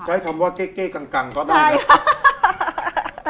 ก็คือคำว่าเก๊กกังก็เป็นแบบนี้ค่ะ